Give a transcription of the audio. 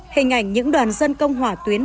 hình ảnh những đoàn dân công hỏa tuyến